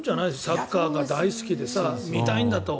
サッカーが大好きで見たいんだと。